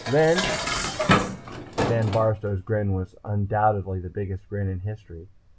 And then " Dan Barstow's grin then was undoubtedly the biggest grin in history....